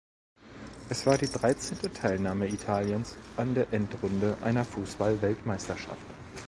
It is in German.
Es war die dreizehnte Teilnahme Italiens an der Endrunde einer Fußball-Weltmeisterschaft.